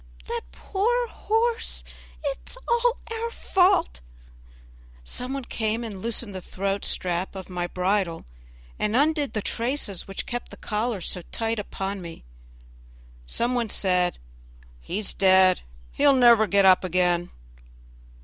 that poor horse! it is all our fault." Some one came and loosened the throat strap of my bridle, and undid the traces which kept the collar so tight upon me. Some one said, "He's dead, he'll never get up again."